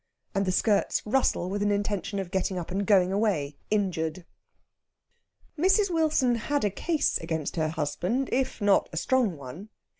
And the skirts rustle with an intention of getting up and going away injured. Mrs. Wilson had a case against her husband, if not a strong one.